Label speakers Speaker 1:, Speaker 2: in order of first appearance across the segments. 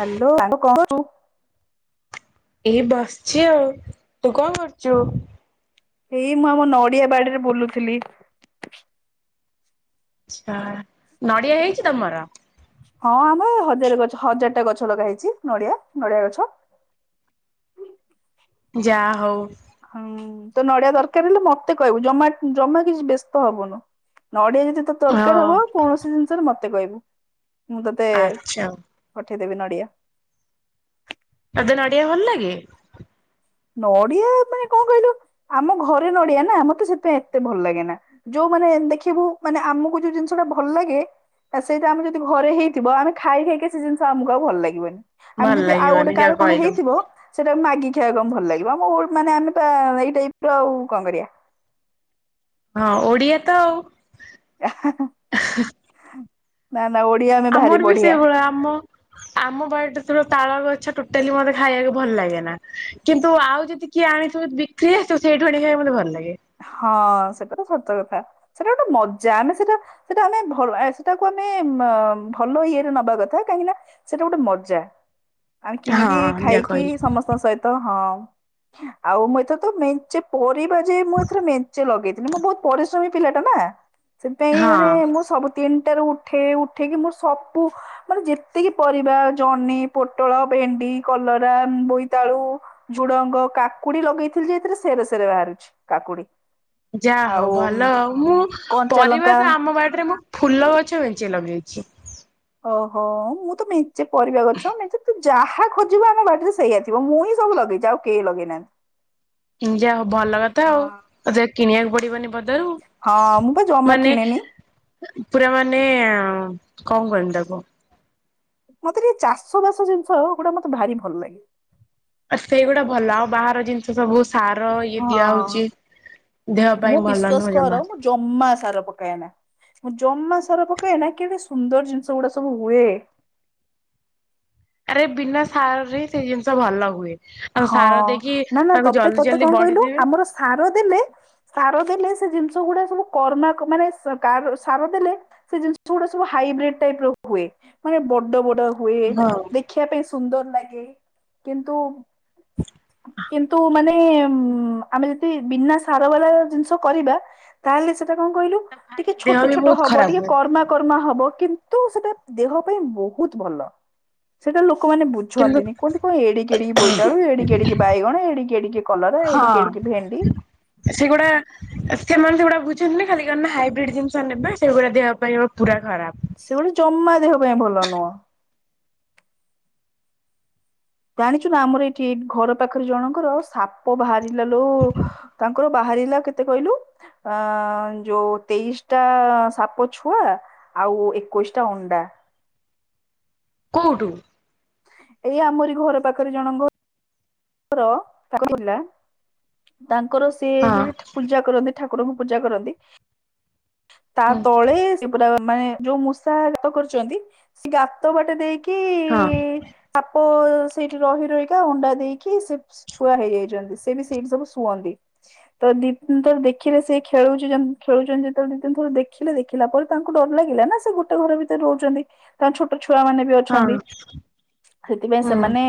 Speaker 1: Hello ସାଙ୍ଗ କଣ କରୁଛୁ?
Speaker 2: ଏଇ ବସିଛି ଆଉ ତୁ କଣ କରୁଛୁ?
Speaker 1: ଏଇ ମୁଁ ଆମ ନଡିଆ ବାଡିରେ ବୁଲୁଥିଲି। [inaudible]
Speaker 2: ଆଛା ନଡିଆ ହେଇଛି ତମର?
Speaker 1: ହଁ ଆମର ହଜାର ଗଛ ହଜାର ଟା ଗଛ ଲଗା ହେଇଛି ନଡିଆ ନଡିଆ ଗଛ। ହୁଁ।
Speaker 2: ଯା ହଉ
Speaker 1: ହଁ ତୋର ନଡିଆ ଦରକାର ହେଲେ ମତେ କହିବୁ ଜମା ଜମା କିଛି ବ୍ୟସ୍ତ ହବୁନୁ। ନଡ଼ିଆ ଯଦି ତତେ ଦରକାର
Speaker 2: ହଁ
Speaker 1: ହବ କୌଣସି ଜିନିଷରେ ମତେ କହିବୁ ମୁଁ ତତେ
Speaker 2: ଆଚ୍ଛା
Speaker 1: ପଠେଇ ଦେବି ନଡ଼ିଆ। [inaudible]
Speaker 2: ତତେ ନଡ଼ିଆ ଭଲ ଲାଗେ।
Speaker 1: ନଡିଆ ମାନେ କଣ କହିଲୁ ଆମ ଘରେ ନଡିଆ ନା ମତେ ସେଥିପାଇ ଏତେ ଭଲ ଲାଗେ ନା ଯୋଉ ମାନେ ଦେଖିବୁ ମାନେ ଆମକୁ ଯୋଉ ଜିନିଷ ଟା ଭଲ ଲାଗେ ଆ ସେଇଟା ଆମେ ଯଦି ଘରେ ହେଇଥିବ ଆମେ ଖାଇ ଖାଇକି ସେ ଜିନିଷ ଆମକୁ ଆଉ ଭଲ ଲାଗିବନି। ଆମେ
Speaker 2: ଭଲ
Speaker 1: ଯଦି ଆଉ ଗୋଟେ
Speaker 2: ଲାଗିବନି
Speaker 1: କାର
Speaker 2: ଯାହା
Speaker 1: କଣ
Speaker 2: କହିଲୁ
Speaker 1: ହେଇଥିବ ସେଇଟା କୁ ମାଗି ଖାଇବାକୁ ଭଲ ଲାଗିବ ଆମ ମାନେ ଆମେ ପା ଏଇ ଟାଇପର ଆଉ କଣ କରିବା। [inaudible]
Speaker 2: ହଁ ଓଡିଆ ତ ଆଉ
Speaker 1: [inaudible] ଓଡିଆ ଆମେ ଭାରି
Speaker 2: ଆମର ବି
Speaker 1: ବଢିଆ
Speaker 2: ସେଇଭଳିଆ ଆମ ଆମ ବାଡିରେ ଯେତେବେଳେ ତାଳ ଗ ଛ ଟୋଟାଲି ମତେ ଖାଇବାକୁ ଭଲ ଲାଗେ ନା କିନ୍ତୁ ଆଉ ଯଦି କିଏ ଆଣିଥିବ ବିକ୍ରି ହେଠୁ ସେଇଠୁ ଆଣିକି ଖାଇବାକୁ ମତେ ଭଲ ଲାଗେ।
Speaker 1: ହଁ ସେଟା ତ ସତ କଥା ସେଟା ଗୋଟେ ମଜା ଆମେ ସେଟା ସେଟା ଆମେ ଭଲ ସେଟାକୁ ଆମେ ଏ ମା ଭଲ ଇଏରେ ନବା କଥା କାହିଁକି ନା ସେଟା ଗୋଟେ ମଜା। ଆଉ କିଣିକି
Speaker 2: ହଁ ଯାହା
Speaker 1: ଖାଇକି
Speaker 2: କହିଲୁ
Speaker 1: ସମସ୍ତଙ୍କ ସହିତ ହଁ। ଆଉ ମୁଁ ଏଥର ତ ମେଞ୍ଚେ ପରିବା ଯେ ମୁଁ ଥର ମେଞ୍ଚେ ଲଗେଇଥିଲି ମୁଁ ବହୁତ ପରିଶ୍ରମୀ ପିଲାଟା ନା ସେଥିପାଇଁ ମାନେ
Speaker 2: ହଁ
Speaker 1: ମୁଁ ସବୁ ତିନି ଟାରୁ ଉଠେ ଉଠେଇକି ମୁଁ ସବୁ ମାନେ ଯେତିକି ପରିବା ଜହ୍ନି ପୋଟଳ ଭେଣ୍ଡି କଲରା ବୋଇତାଳୁ ଝୁଡଙ୍ଗ କାକୁଡି ଲଗେଇଥିଲି ଯେ ଏଥିରେ ସେରେ ସେରେ ବାହାରୁଛି। କାକୁଡ଼ି।
Speaker 2: ଯା ହଉ ଭଲ ହଉ ମୁଁ
Speaker 1: କଞ୍ଚା
Speaker 2: ପରିବା
Speaker 1: ଲଙ୍କା
Speaker 2: ତ ଆମ ବାଡିରେ ମୁଁ ଫୁଲ ଗଛ ମେଂଚେ ଲଗେଇଛି।
Speaker 1: ଓହୋ ମୁଁ ତ ମେଁଚେ ପରିବା ଗଛ ମେଞ୍ଚେ ତୁ ଯାହା ଖୋଜିବୁ ଆମ ବାଡିରେ ସେଇଆ ଥିବ ମୁଁ ହିଁ ସବୁ ଲଗେ ଇଛି ଆଉ କେହି ଲଗେଇ ନାହାନ୍ତି।
Speaker 2: ଯା ହଉ ଭଲ କଥା ଆଉ
Speaker 1: ହଁ
Speaker 2: ତତେ ଆଉ କିଣିବାକୁ ପଡିବନି ବ ଜାରୁ
Speaker 1: ହଁ ମୁଁ ବା ଜମା
Speaker 2: ମାନେ
Speaker 1: କିଣେନି
Speaker 2: ପୁରା ମାନେ କଣ କହିମି ତାକୁ?
Speaker 1: ମତେ ଟିକେ ଚାଷ ବାସ ଜିନିଷ ଏଗୁଡା ମତେ ଭାରି ଭଲ ଲାଗେ।
Speaker 2: ଆ ସେଇଗୁଡା ଭଲ ଆଉ ବାହାର ଜିନିଷ ସବୁ ସାର ଇଏ ଦିଆ ହଉଛି। ଦେହ ପାଇଁ
Speaker 1: ମୁଁ
Speaker 2: ଭଲ
Speaker 1: ବିଶ୍ଵାସ
Speaker 2: ନୁହଁ ଜମା
Speaker 1: କର ମୁଁ ଜମା ସାର ପକାଏନା। ମୁଁ ଜମା ସାର ପକାଏନା କେଡ଼େ ସୁନ୍ଦର ଜିନିଷ ଗୁଡା ସବୁ ହୁଏ। [inaudible]
Speaker 2: ଆରେ ବିନା ସାରରେ ସେ ଜିନିଷ ଭଲ ହୁଏ। ଆଉ
Speaker 1: ହଁ
Speaker 2: ସାର ଦେଇକି
Speaker 1: ନା ନା
Speaker 2: ତାକୁ
Speaker 1: ତତେ
Speaker 2: ଜଲ୍ଦି
Speaker 1: ତତେ
Speaker 2: ଜଲ୍ଦି
Speaker 1: କଣ କହିଲୁ
Speaker 2: ବଢେଇଦେବେ
Speaker 1: ଆମର ସାର ଦେଲେ ସାର ଦେଲେ ସେ ଜିନିଷ ଗୁଡ଼ା ସବୁ କର୍ମାକ ମାନେ ସାର ଦେଲେ ସେ ଜିନିଷ ଗୁଡ଼ା ସବୁ ହାଇବ୍ରିଡ ଟାଇ ର ହୁଏ ମାନେ ବଡ ବଡ ହୁଏ
Speaker 2: ହଁ
Speaker 1: ଦେଖିବା ପାଇଁ ସୁନ୍ଦର ଲାଗେ କିନ୍ତୁ [inaudible] କିନ୍ତୁ ମାନେ ନେ ଆମେ ଯଦି ବିନା ସାର ବାଲା ଜିନିଷ କରିବା ତାହେଲେ ସେ ଟା କଣ କହିଲୁ
Speaker 2: ତାକୁ
Speaker 1: ଟିକେ
Speaker 2: ଖାଇକି ଦେହ
Speaker 1: ଛୋଟ
Speaker 2: ବି
Speaker 1: ଛୋଟ
Speaker 2: ବହୁତ
Speaker 1: ହବ
Speaker 2: ଖରାପ
Speaker 1: ଟିକେ
Speaker 2: ହୁଏ
Speaker 1: କର୍ମା କର୍ମା ହବ। କିନ୍ତୁ ସେଟା ଦେହ ପାଇଁ ବହୁତ ଭଲ ସେଟା ଲୋ ଲୋକମାନେ
Speaker 2: କିନ୍ତୁ
Speaker 1: ବୁଝନ୍ତିନି କୁହନ୍ତି କଣ ଏଡିକି ଏଡିକି ବୋଇ ଵୋଇତାଳୁ ଏଡ଼ିକି ଏଡ଼ିକି ବାଇଗଣ ଏଡ଼ିକି ଏଡ଼ିକି କଲରା ଏଡ଼ିକି ଏଡ଼ିକି ଭେଣ୍ଡି
Speaker 2: ସେଗୁଡ଼ା ସେମାନେ ସେ ଗୁଡ଼ା ଖାଲି ହାଇବ୍ରିଡ଼୍ ଜିନିଷ ନେବେ ସେଗୁଡ଼ା ଦେହ ପାଇଁ ପୁରା ଖରାପ
Speaker 1: ସେ ଗୋଟେ ଜମା ଦେହ ପାଇଁ ଭଲ ନୁହଁ ଜାଣିଛୁ ନା ଆମର ଏଇଠି ଘର ପାଖରେ ଜଣଙ୍କର ସାପ ବାହାରିଲା ଲୋ ତାଙ୍କର ବାହା ବାହାରିଲା କେତେ କହିଲୁ ଯୋଉ ତେଇଶ ଟା ସାପ ଛୁଆ ଏକୋଇଶ୍ ଟା ଅଣ୍ଡା।
Speaker 2: କୋଉଠୁ?
Speaker 1: ଏଇ ଆମରି ଘର ପାଖରେ ଜଣଙ୍କ ର- ଥିଲା ତାଙ୍କର ସେ
Speaker 2: ହଁ
Speaker 1: ଯୋଉଠି ପୂଜା କରନ୍ତି ଠାକୁର ଠାକୁରଙ୍କୁ ପୂଜା କରନ୍ତି ତା ତଳେ ସେପୁରା ମାନେ ଯୋଉ ମୂଷା ଗାତ କରିଛନ୍ତି ସେ ଗାତ ବାଟେ ଦେଇକି କି
Speaker 2: ହଁ।
Speaker 1: ସାପ ସେଇଠି ରହି ରହିିକା ଅଣ୍ଡା ଦେଇକି ଛୁଆ ହେଇଯାଇଛନ୍ତି ସେ ବି ସେଇଠି ସବୁ ଶୁଅନ୍ତି ତ ଦି ତିନି ଜଣ ଦେଖିଲେ ସେ ଖେ ଖେଳୁ ଖେଳୁଛନ୍ତି ଯେତେବେଳେ ସେଦିନ ଥରେ ଦେଖିଲେ ଦେଖିଲା ପରେ ତାଙ୍କୁ ଡର ଲାଗିଲା ନା ସେ ଗୋଟେ ଘର ଭିତରେ ରହୁଛନ୍ତି ତାଙ୍କ ଛୋଟ ଛୁଆ ମାନେ ବି
Speaker 2: ହଁ
Speaker 1: ଅଛନ୍ତି ସେଥିପାଇଁ
Speaker 2: ହଁ
Speaker 1: ସେମାନେ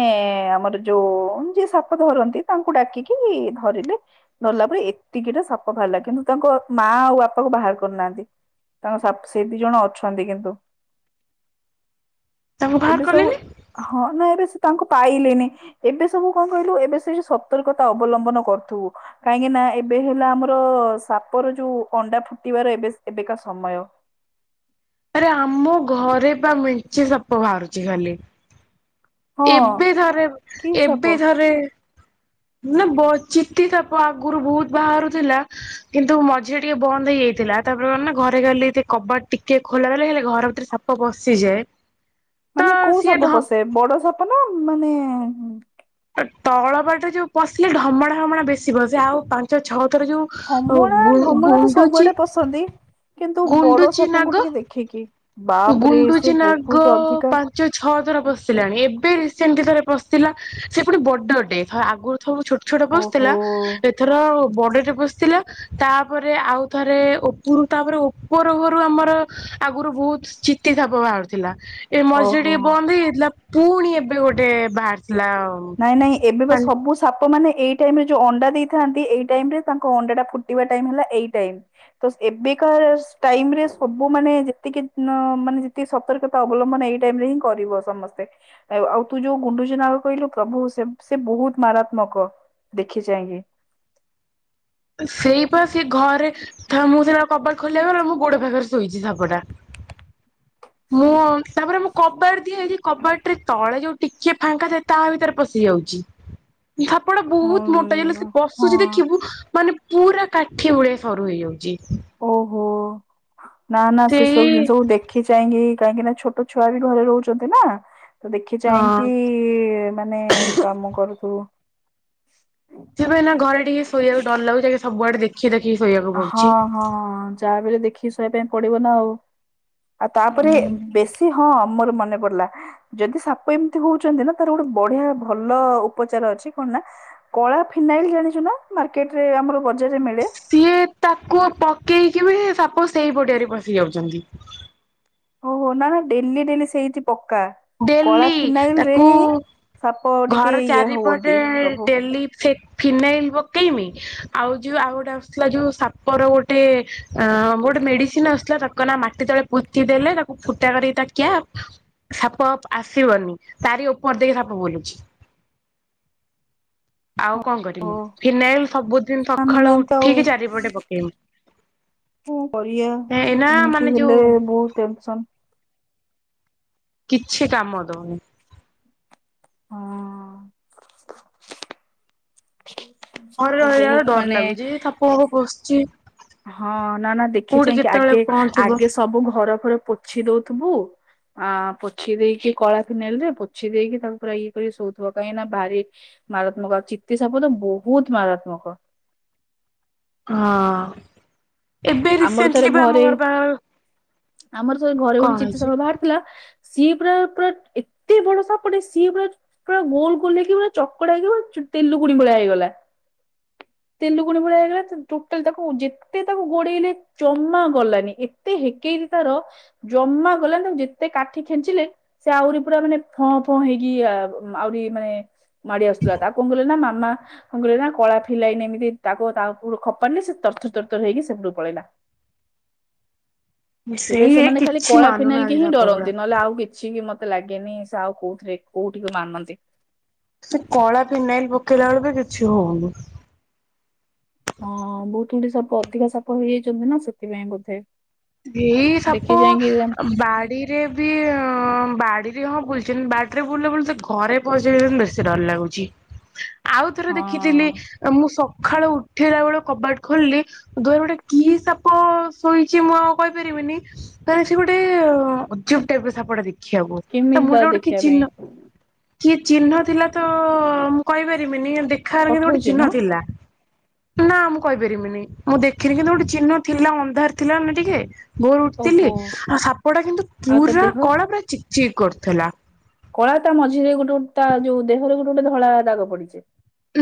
Speaker 1: ଆମର ଯୋଉ ଯିଏ ସାପ ଧରନ୍ତି ତାଙ୍କୁ ଡାକିକି ଧରିଲେ ଧରଲା ପରେ ଏତିକିଟା ସାପ ବାହାରିଲା କିନ୍ତୁ ତା ତାଙ୍କ ମା ଆଉ ବାପା କୁ ବାହାର କରୁନାହାନ୍ତି ତାଙ୍କ ସେଇ ଦି ଜଣ ଅଛନ୍ତି କିନ୍ତୁ
Speaker 2: ତାଙ୍କୁ ବାହାର
Speaker 1: ଏବେ ସବୁ
Speaker 2: କଲେନି
Speaker 1: ହଁ ନା ଏବେ ସେ ତାଙ୍କୁ ପାଇଲେନି ଏବେ ସବୁ କଣ କହିଲୁ ଏବେ ସେଠି ସତର୍କତା ଅବଲମ୍ବନ କରୁଥିବୁ କାହିଁକି ନା ଏବେ ହେଲା ଆମର ସାପର ଯୋଉ ଅଣ୍ଡା ଫୁଟିବାର ଏବେ ଏବେକା ସମୟ।
Speaker 2: ଆରେ ଆମ ଘରେ ବା ମିେଞ୍ଚେ ସାପ ବାହାରୁଛି ଖାଲି
Speaker 1: ହଁ
Speaker 2: ଏବେ ଥରେ
Speaker 1: କି ସାପ
Speaker 2: ଏବେ ଥରେ ନା ଚିତି ସାପ ଆଗରୁ ବହୁତ ବାହାରୁ ଥିଲା କିନ୍ତୁ ମଝି ଟିକେ ବନ୍ଦ ହେଇଯାଇ ଥିଲା ତାପରେ କଣ ନା ଘରେ ଖାଲି ଟିକେ କବାଟ ଟିକେ ଖୋଲା ହେଲେ ଘର ଭିତରେ ସାପ ପସିଯାଏ
Speaker 1: ମାନେ କୋଉ ସାପ ପସେ ବଡ ସାପ ନା ମାନେ
Speaker 2: ତଳ ବାଟରେ ଯୋଉ ପଶିଲେ ଢମଣା, ହମଣା ବେଶୀ ପସେ ଆଉ ପାଞ୍ଚ, ଛଅ ର ଯୋଉ
Speaker 1: ଢମଣା ଢମଣା ତ ସବୁଆଡେ
Speaker 2: ଗୁଣ୍ଡୁଚି
Speaker 1: ପସନ୍ଦ କିନ୍ତୁ ବଡ
Speaker 2: ଗୁଣ୍ଡୁଚି
Speaker 1: ସାପଙ୍କୁ
Speaker 2: ନାଗ
Speaker 1: ଟିକେ ଦେଖିକି ବାପରେ ସେ
Speaker 2: ଗୁଣ୍ଡୁଚି ନାଗ
Speaker 1: ବହୁତ ଅଧିକା
Speaker 2: ପାଞ୍ଚ, ଛଅ ଥର ପସିଲାଣି ଏବେ ରିସେଣ୍ଟଲି ଥରେ ବସିଥିଲା ସେ ପୁଣି ବଡଟେ ଆଗରୁ ସବୁ ଛୋଟ ଛୋଟ
Speaker 1: ଓହୋ
Speaker 2: ପସିଥିଲା ଏଥର ବଡଟେ ପସିଥିଲା ତାପରେ ଆଉ ଥରେ ଉପରୁ ତାପରେ ଉପରୁ ଘରୁ ଆମର ଆଗରୁ ବହୁତ ଚିତି ସାପ ବାହାରୁଥିଲା। ଏ ମଝିରେ
Speaker 1: ଓହୋ
Speaker 2: ଟିକେ ବନ୍ଦ ହେଇଯାଇଥିଲା ପୁଣି ଏବେ ଗୋଟେ ବାହାରୁ
Speaker 1: ନାଇଁ ନାଇଁ ଏବେ ଵା ସବୁ ସାପ ସାପ ମାନେ ଏଇ ଟାଇମ ରେ ଯୋଉ ଅଣ୍ଡା ଦେଇଥାନ୍ତି। ଏଇ ଟାଇମ ରେ ତାଙ୍କ ଅଣ୍ଡା ଟା ଫୁଟିବା ଟାଇ ହେଲା ଏଇ ଟାଇମ ତ ଏବେକା ଟାଇମ ରେ ସବୁ ମାନେ ଯେତିକି ମାନେ ଯେତିକି ସତର୍କତା ଅବଲମ୍ବନ ଏଇ ଟାଇମ ରେ କରିବ ସମସ୍ତେ ଆଉ ତୁ ଯୋଉ ଗୁଣ୍ଡୁଚି ନାଗ କହିଲୁ ସବୁ ସେ ସେ ବହୁତ ମାରାତ୍ମକ ଦେଖି ଚାହିଁକି।
Speaker 2: ସେଇପା ସେ ଘରେ ଥା ମୁଁ ଥା କବାଟ ଖୋଲିବା ମୁଁ ଗୋଡ ପାଖରେ ଶୋଇଛି ସାପଟା ମୁଁ ତାପରେ ମୁଁ କବାଟ ଦିଆଯାଇଛି କବାଟ ରେ ତଳେ ଯୋଉ ଟିକେ ଫାଙ୍କା ଥାଏ ତା ଭିତରେ ପଶି ଯାଉଛି ସାପଟା ବହୁତ ମୋଟା ହେଲେ ସେ
Speaker 1: ହଁ ହଁ
Speaker 2: ପଶୁଛି ଦେଖିବୁ ମାନେ ପୁରା କାଠି ଭଳିଆ ସରୁ ହେଇଯାଉଛି।
Speaker 1: ଓହୋ ନା ନା ସେ
Speaker 2: ସେଇ
Speaker 1: ସବୁ ଜିନିଷକୁ ଦେଖି ଚାହିଁକି କାହିଁକି ନା ଛୋଟ ଛୁଆ ବି ଘରେ ରହୁଛନ୍ତି ନା ତ ଦେଖି
Speaker 2: ହଁ
Speaker 1: ଚାହିଁକି ମାନେ କାମ କରୁଥୁବୁ।
Speaker 2: ସେପା ଏଇନା ଘରେ ଟିକେ ଶୋଇବାକୁ ଡର ଲାଗୁଚି ସବୁଆଡେ ଦେଖି ଦାଖି
Speaker 1: ହଁ ହଁ ଯାହାବି ହେଲେ ଦେଖ୍ ଖି [unintelligible] ଶୋଇବା ପାଇଁ ପଡିବ ନା ଆଉ, ଆଉ ତାପରେ
Speaker 2: ହୁଁ
Speaker 1: ବେଶୀ ହଁ ମୋର ମନେ ପଡିଲା, ଯଦି ସାପ ଏମିତି ହଉଛନ୍ତି ନା ତାର ଗୋଟେ ବଢିଆ ଭଲ ଉପଚାର ଅଛି, କଣ? କଳା ଫିନାଇଲ ଜାଣିଛୁ ନା? ମାର୍କେଟ ରେ ଆମର ବଜାରରେ ମିଳେ।
Speaker 2: ସିଏ ତାକୁ ପକେଇକି ବି ସାପ ସେଇ ପଡିଆରେ ପଶି ଯାଉଛନ୍ତି।
Speaker 1: ହ ନା, ନା ଡେଲି ଡେଲି ସେଇଠି ପ
Speaker 2: ଡେଲି, ତାକୁ
Speaker 1: ସାପ ଟିକେ
Speaker 2: ଘର
Speaker 1: ଇଏ
Speaker 2: ଚାରିପଟେ
Speaker 1: ହୁଅନ୍ତି ପ୍ରଭୁ।
Speaker 2: ଡେଲି ଫେକ୍ ଫିନାଇଲ ପକେଇମି, ଆଉ ଯୋଉ ଆଉ ଗୋଟେ ଆସୁଥିଲା ଯୋଉ ସାପର ଗୋଟେ, ଗୋଟେ ମେଡିସିନ ଆସୁଥିଲା ତାକୁ ନା ମାଟି ତଳେ ପୋତି ଦେଲେ ତାକୁ ଫୁଟା କରିକି ଟା କ୍ୟାପ୍ ସାପ ଆସିବନି ତାରି ଉପର ଦେଇକି ସାପ ବୁଲୁଛି
Speaker 1: [inaudible]
Speaker 2: ଆଉ କଣ କରିମି,
Speaker 1: ଓ
Speaker 2: ଫିନାଇଲ ସବୁଦିନ ସକାଳେ
Speaker 1: ମାନୁନାହାନ୍ତି ଆଉ
Speaker 2: ଉଠିକି ଚାରିପଟେ ପକେଇମି।
Speaker 1: [unintelligible] କରିବା,
Speaker 2: ଏଇନା ମାନେ
Speaker 1: ଏମିତି
Speaker 2: ଯୋଉ
Speaker 1: ହେଲେ ବହୁତ ଟେନସନ।
Speaker 2: କିଛି କାମ ଦଉନି।
Speaker 1: ହଁ
Speaker 2: ହରେ
Speaker 1: ତ
Speaker 2: ହରେଳେ
Speaker 1: ବହୁତ
Speaker 2: ଡର
Speaker 1: ମାନେ
Speaker 2: ଲାଗୁଛି ସାପ ପାପ ପଶୁଛି।
Speaker 1: ହଁ ନା ନା
Speaker 2: କୋଉଠି
Speaker 1: ଦେଖିଚାଇଁକି
Speaker 2: କେତେବେଳେ
Speaker 1: ଆଗେ
Speaker 2: କଣ ଥିବ।
Speaker 1: ଆଗେ ସବୁ ଘର ଫର ପୋଛି ଦଉ ତୁବୁ [unintelligible] ଆ ପୋଛି ଦେଇକି, କଳା ଫିନାଇଲ ରେ ପୋଛି ଦେଇକି ତାକୁ ପୁରା ଇଏ କରି ଶୋଉଥିବ, କାହିଁକି ନା ବାରି ମାରାତ୍ମକ ଆଉ ଚିତ୍ତି ସାପ ତ ବହୁତ ମାରାତ୍ମକ।
Speaker 2: ହଁ। ଏବେ
Speaker 1: ଆମର ଥରେ
Speaker 2: ରିସେଣ୍ଟଲି ବି ଆମ
Speaker 1: ଘରେ,
Speaker 2: ଘର ପାଖରେ
Speaker 1: ଆମର ଥରେ ଘରେ ଗୋଟେ
Speaker 2: କଣ
Speaker 1: ଚିିତି
Speaker 2: ହେଇଛି
Speaker 1: ସାପ ବାହାରିଥିଲା। ସିଏ ପୁରା ପୁରା ଏତେ ବଡ ସାପଟେ, ସିଏ ପୁରା ପୁରା ଗୋଲ ଗୋଲ ହେଇକି ପୁରା ଚକଡାକି ଭା ତେଲୁ ଗୁଣି ଭଳିଆ ହେଇଗଲା, ତେଲୁ ଗୁଣି ଭଳିଆ ହେଇଗଲା, ଟୋଟାଲ ତାକୁ ଯେତେ ତାକୁ ଗୋଡେଇଲେ ଜମା ଗଲାନି, ଏତେ ହେକେଇକି ତାର ଜମା ଗଲାନି ଯେତେ କାଠି ଖେଞ୍ଚିଲେ ସେ ଆହୁରି ପୁରା ମାନେ ଫଁ ଫଁ ହେଇକି ଆହୁରି ମାନେ, ମାଡି ଆସୁଥିଲା, ତାକୁ କଣ କହିଲେ ନା ମାମା କଣ କହିଲେ ନା, କଳା ଫିଲାଇନି ଏମିତି ତାକୁ ତା ଉପରକୁ ଖପାରିଲେ, ସେତ ତର ତର ହେଇକି ସେପଟକୁ ପଳେଇଲା ତବେ
Speaker 2: ସେଇ ଏ
Speaker 1: ସେମାନେ ଖାଲି
Speaker 2: କିଛି
Speaker 1: କଳା ଫିନାଇଲ କି
Speaker 2: ମାନୁନାହାନ୍ତି
Speaker 1: ହିଁ
Speaker 2: ସାପ ଗୁଡା।
Speaker 1: ଡରନ୍ତି ନହେଲେ ଆଉ କିଛି କି ମତେ ମତେ ଲାଗେନି, ସେ ଆଉ କୋଉଥିରେ କୋଉଠି କି ମାନନ୍ତି।
Speaker 2: ସେ କଳା ଫିନାଇଲ ପକେଇଲା ବେଳେ ବି କିଛି ହଉନି।
Speaker 1: ହଁ ବହୁତ ଗୁଡେ ସାପ ଅଧିକା ସାପ ହେଇଯାଇଛନ୍ତି ନା, ସେଥିପାଇଁ ବୋଧେ
Speaker 2: ଏଇ
Speaker 1: ଦେଖି
Speaker 2: ସାପ
Speaker 1: ଯାଇକି
Speaker 2: ବାଡିରେ ବି ବାଡି ହଁ ବୁଲଛନ୍ତି ବାଡ଼ିରେ ବୁଲିଲେ ବୁଲ ତ ଘରେ ପଶି ଯାଉଛନ୍ତି ବେଶୀ ଡର ଲାଗୁଛି। ଆଉଥରେ ଦେଖିଥିଲି,
Speaker 1: ହଁ
Speaker 2: ମୁଁ ସକାଳୁ ଉ ଉଠିଲା ବେଳୁ କବାଟ ଖୋଲିଲି ଦୁଆରେ ଗୋଟେ କି ସାପ ଶୋଇଛି? ଚି ମୁଁ ଆଉ କହିପାରିବିନି କାଇଁନା ସେ ଗୋଟେ ଅଜବ ଟାଇପ ର ସାପ ଟା ଦେଖ ଦେଖିବାକୁ, ତା
Speaker 1: କେମିତି ତାକୁ
Speaker 2: ମୁଣ୍ଡରେ ଗୋଟେ କି
Speaker 1: ଦେଖିବା ପାଇଁ
Speaker 2: ଚିହ୍ନ କିଏ ଚିହ୍ନ ଥିଲା ତ ମୁଁ କହିପାରିବିନି ଦେଖା ହାର କିନ୍ତୁ ଗୋଟେ
Speaker 1: କଠଉଛି ନା
Speaker 2: ଚିହ୍ନ ଥିଲା ନା ମୁଁ କହିପାରିବିନି, ମୁଁ ଦେଖିନି କିନ୍ତୁ ଗୋଟେ ଚିହ୍ନ ଥିଲା ଅନ୍ଧାର ଥିଲା ନା ଟିକେ ଭୋର ଉଠିଥିଲି
Speaker 1: ଓହୋ
Speaker 2: ଆଉ ସାପ ଟା କିନ୍ତୁ
Speaker 1: ଆଉ ତା
Speaker 2: ପୁରା
Speaker 1: ଦେହ
Speaker 2: କଳା ପା ଚିକ୍ ଚିକ କରୁଥିଲା
Speaker 1: କଳା ତା ମଝିରେ ଗୋଟେ ଗୋଟେ ତା ଯୋଉ ଦେହରେ ଗୋଟେ ଗୋଟେ ଧଳା ଦାଗ ପଡିଚି।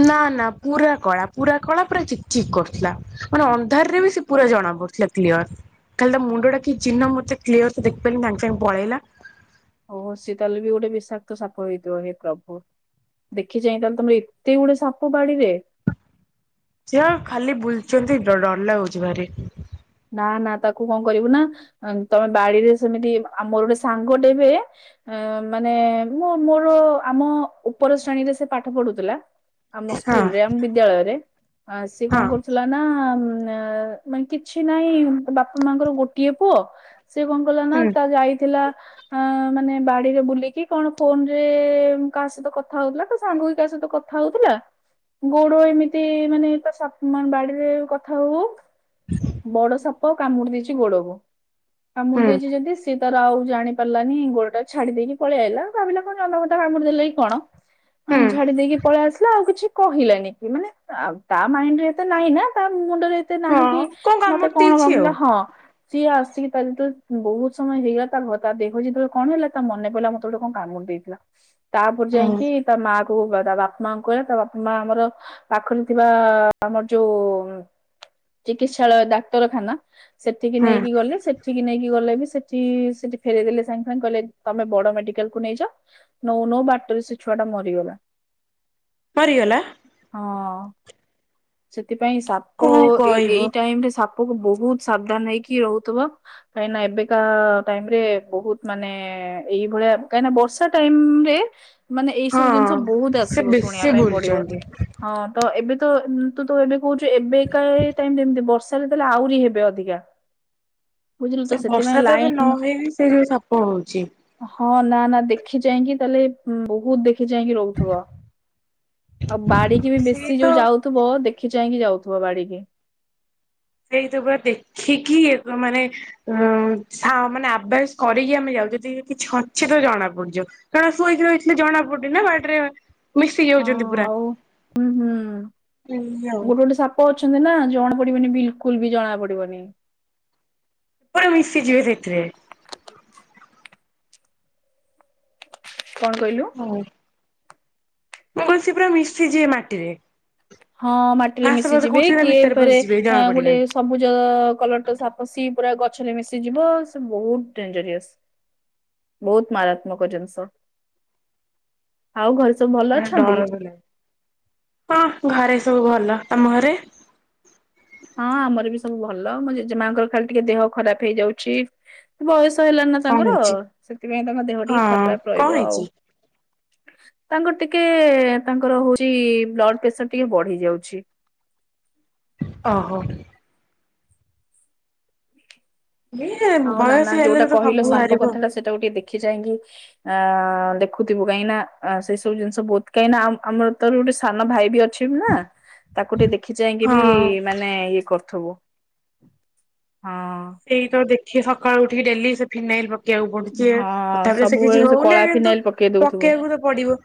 Speaker 2: ନା ନା ପୁରା କଳା, ପୁରା କଳା ପୁରା ଚିକ ଚିକ୍ କରୁଥିଲା, ମାନେ ଅନ୍ଧାରରେ ବି ସେ ପୁରା ଜଣା ପଡୁଥିଲା କ୍ଲିଅର। ଖାଲି ତା ମୁଣ୍ଡ ଟା କି ଚିହ୍ନ ମତେ କ୍ଲିୟର ସେ ଦେଖିପାରିଲିନି, ସାଙ୍ଗେ ସାଙ୍ଗେ ପଳେଇଲା।
Speaker 1: ଓ ହ ସେ ତାହେଲେ ବି ଗୋଟେ ବିଷାକ୍ତ ସାପ ହେଇଥିବ, ହେ ପ୍ରଭୁ ଦେଖି ଚାଇଁ ତାହେଲେ ତମର ଏତେ ଗୁଡେ ସାପ ବାଡିରେ
Speaker 2: ସେ ଖାଲି ବୁଲୁଛନ୍ତି, ଡର ଲାଗୁଛି ଭାରି।
Speaker 1: ନା, ନା, ତାକୁ କଣ କରିବୁ ନା ତମେ ବାଡିରେ ସେମିତି, ଆମର ଗୋଟେ ସାଙ୍ଗଟେଏବେ ଆ ମାନେ ମୁଁ ମୋର ଆମ ଉପର ଶ୍ରେଣୀରେ ସେ ପାଠ ପଢୁଥିଲା। ଆମ
Speaker 2: ହଁ
Speaker 1: ସ୍କୁଲରେ ଆମ ବିଦ୍ୟାଳୟରେ ସିଏ
Speaker 2: ହଁ
Speaker 1: କଣ କରୁଥିଲା ନା ଉଁ ମାନେ କିଛି ନହିଁ ବାପା ମାଙ୍କର ଗୋଟିଏ ପୁଅ ସେ କଣ କଲା ନା
Speaker 2: ହୁଁ
Speaker 1: ତା ଯାଇଥିଲା ଅ ମାନେ ବାଡିରେ ବୁଲିକି କଣ ଫୋନ୍‌ ରେ କାହା ସହିତ କଥା ହଉଥିଲା ତା ସାଙ୍ଗ ହେ କାହା ସ ଗୋଟେ କଥା ହଉଥିଲା। ଗୋଡ ଏମିତି ମାନେ ତା ବାଡିରେ କଥା ହଉ ହଉ ବଡ ସାପ କାମୁଡି ଦେଇେଇଛି ଗୋଡ କୁ କାମୁଡି
Speaker 2: ହୁଁ
Speaker 1: ଦେଇଛି ଯଦି ସ ତର ଆଉ ଜାଣି ପାରିଲାନି ଗୋଡଟା ଛାଡି ଦେଇକି ପଳେଇଆ ଆଲାଉ ଭାବିଲା କହ ଅମତା କାମ ଦେଲେ କି କଣ
Speaker 2: ହୁଁ।
Speaker 1: ଝାଡି ଦେଇକି ପଳେଇ ଆସିଲା ଆଉ କିଛି କହିଲାନି କି ମାନେ ତା ମାଇଣ୍ଡ ରେ ଏତେ ନାଇଁ ନା ତା ମୁଣ୍ଡରେ ଏତେ ନାହିଁ
Speaker 2: ହଁ
Speaker 1: କି
Speaker 2: କଣ
Speaker 1: ମତେ
Speaker 2: କାମୁଡି
Speaker 1: କଣ
Speaker 2: ଦେଇଛି ଆଉ
Speaker 1: କାମୁଡ଼ିଲା ହଁ। ସିଏ ଆସିକି ତାର ଯେ ବହୁତ ସମୟ ହେଇଗଲା ତା ଦେହ ଯେତେବେଳେ କଣ ହେଲା ତା ମନ ପିଲା ମତେ ଗଟେ କଣ କାମ ମୁଣ୍ଡେଇଥିଲା ତାପରେ
Speaker 2: ହୁଁ
Speaker 1: ଯାଇକି ତା ମା ପୁଅ କୁ ତା ବାପା ମାଆ ଙ୍କୁ କହିବା ତା ବାପା ମାଆ ଆମର ପାଖରେ ଥିବା ଆମର ଯୋଉ ଚିକିତ୍ସାଳୟ ଡାକ୍ତରଖାନା ସେଠିକି
Speaker 2: ହୁଁ
Speaker 1: ନେଇକି ଗଲେ ସେଠିକି ନେଇକି ଗଲେ ବି ସେ ସେଠି ଫେରଇଦେଲେ ସାଙ୍ଗେ ସାଙ୍ଗେ କହିଲେ ତମେ ବଡ ମେଡିକାଲକୁୁ ନେଇଯାଅ ନୋଉ ନଉ ବାଟରେ ସେ ଛୁଆ ଟା ମରିଗଲା।
Speaker 2: ପରିଗଲା।
Speaker 1: ହଁ। ସେଥିପାଇଁ ସାପ
Speaker 2: କଣ
Speaker 1: ଏ
Speaker 2: କହିବ
Speaker 1: ଏଇ ଟାଇମ ରେ ସା ବହୁତ ସାବଧାନ ହେଇକି ରହୁଥିବ କାହିଁକି ନା ଏବେକା ଟାଇମ ରେ ବହୁତ ମାନେ ଏଁ ଏଇଭଳିଆ କାହିଁକ ବର୍ଷା ଟାଇମ୍ ରେ ମାନେ ଏଇ
Speaker 2: ହଁ
Speaker 1: ସବୁ ଜିନିଷ ବହୁତ
Speaker 2: ସେ
Speaker 1: ଆସିବ ଶୁଣିବା
Speaker 2: ବେଶୀ
Speaker 1: ପାଇଁ ପଡିବ।
Speaker 2: ବୁଲୁଛନ୍ତି
Speaker 1: ହଁ ତ ଏବେ ତ ତୁ ତୁ ଏବେ କହୁଛୁ ଏବେକାଏ ଟାଇମ୍ ଯେମିତି ବର୍ଷା ହେଇଥିଲା ଆହୁରି ହେବେ ଅଧିକା। [inaudible]
Speaker 2: ସେ
Speaker 1: ସେଥିପାଇଁ
Speaker 2: ବର୍ଷା ତ ଏବେ
Speaker 1: ଲାଇନ
Speaker 2: ନହେଇବି ସେଇଜୌ ସାପ ହଉଛି।
Speaker 1: ହଁ ନା ନା ଦେଖିଚାଇଁକି ତାହେଲେ ବହୁତ ଦେ ଦେଖି ଯାଇକି ରହୁଥିବ [inaudible] ଆଉ ବାଡିକି ବି
Speaker 2: ସେଇ
Speaker 1: ବେଶି
Speaker 2: ତ
Speaker 1: ଯୋଉ ଯାଉଥିବ ଦେଖି ଯାଇକି ଯାଉଥିବ ବାଡିିକି।
Speaker 2: ସେଇ ସ ପୁରା ଦେଖିକି ଏବେ ମାନେ ଉଁ ସାମନା ଆବାଜ କରିକି ଆମେ ଯାଉ। ଯଦି କିଛି ଅଛି ତ ଜଣା ପଡିଯାଉ କାରଣ ଶୁଇକି ରଥିଲେ ଜଣା ପଡୁନି ନା ବାଟରେ ମିଶି
Speaker 1: ହଁ
Speaker 2: ଯାଉଛନ୍ତି ପୁରା
Speaker 1: ଆଉ ହୁଁ ହୁଁ
Speaker 2: ଆଉ
Speaker 1: ଗୋଟେ ଗୋଟେ ସାପ ଅଛନ୍ତି ନା ଜଣା ପଡିବନି ବିଲକୁଲ ବି ଜଣା ପଡିବନି। [inaudible]
Speaker 2: ମିଶିଯିବେ ସେଥିରେ। [inaudible]
Speaker 1: କଣ କହିଲୁ।
Speaker 2: ମୁଁ କହିଲି ସେ ପୁରା ମିଶି ଯିବେ ମାଟିରେ।
Speaker 1: ହଁ ମାଟିରେ
Speaker 2: ଘାସ ଫାସ
Speaker 1: ମିଶିଯିବେ
Speaker 2: କୋଉଠି ଥିଲା
Speaker 1: କିଏ
Speaker 2: ଭିତରେ
Speaker 1: ଏପରେ
Speaker 2: ପଶିଯିବେ ଜଣା
Speaker 1: ଗୋଟେ
Speaker 2: ପଡିବନି
Speaker 1: ସବୁଜ କଲରଟ ସାପ ସି ପୁରା ଗଛରେ ମିଶିଯିବ ସେ ବହୁତ ଡେଞ୍ଜରିୟସ। ବହୁତ ମାରାତ୍ମକ ଜିନିଷ [inaudible] ଆଉ ଘରେ ସବୁ ଭଲ
Speaker 2: ଭାରି
Speaker 1: ଅଛନ୍ତି?
Speaker 2: ଡରତ ଲାଗେ [inaudible] ହଁ ଘରେ। ତୁ ଭଲ ତମ ଘରେ [inaudible]
Speaker 1: ହଁ ଆମର ବି ସବୁ ଭଲ ମୁ ଜେଜେମାଙ୍କର ଖାଲି ଟିକେ ଦେହ ଖରାପ ହେଇଯାଉଛି ବୟସ ହେଲାନି ନା
Speaker 2: କଣ
Speaker 1: ତାଙ୍କର
Speaker 2: ହେଇଛି?
Speaker 1: ସେଥିପାଇଁ ତାଙ୍କ ଦେହ ଟିକେ
Speaker 2: ହଁ
Speaker 1: ଖରାପ
Speaker 2: କଣ
Speaker 1: ରହିବ ଆଉ।
Speaker 2: ହେଇଛି?
Speaker 1: ତାଙ୍କର ଟିକେ ତାଙ୍କର ହଉଛି ବ୍ଲଡ ପ୍ରେସର ଟିକେ ବଢି ଯାଉଛି। ହୁଁ
Speaker 2: ଓହୋ। ଇଏ
Speaker 1: ଆଉ ନା
Speaker 2: ବୟସ
Speaker 1: ନା
Speaker 2: ହେଲେ
Speaker 1: ଯୋଉଟା
Speaker 2: ତ
Speaker 1: କହିଲ
Speaker 2: ସବୁ
Speaker 1: ସାପ
Speaker 2: ବାହାରିବ।
Speaker 1: କଥା ଟା ସେଟାକୁ ଟିକେ ଦେଖି ଚାହିଁକି। ଆ ଲେଖୁଥିବୁ କାହିଁକିନା ସେଇ ସବୁ ଜିନିଷ ବହୁତ କାହିଁକି ନା ଆମର ତୋର ଗୋଟେ ସାନ ଭାଇ ବି ଅଛି। ନା ତାକୁ ଟିକେ ଦେଖି ଚାହିଁକି
Speaker 2: ହଁ
Speaker 1: ବି ମାନେ ଇଏ କରୁଥିବୁ। [inaudible]
Speaker 2: ସେଇ ତ ଦେଖି ସକାଳୁ ଉଠିକି ଡେଲି ସେ ଫିନାଇଲ କିଆଉ ପଡୁଛି
Speaker 1: ହଁ
Speaker 2: ତଥାପିରେ ସେ
Speaker 1: ସବୁବେଳେ
Speaker 2: କିଛି
Speaker 1: କଳା
Speaker 2: ହଉନି କିନ୍ତୁ
Speaker 1: ଫିନାଇଲ ପକେଇ ଦଉଥିବୁ।
Speaker 2: ପକେଇବାକୁ ତ ପଡିବ।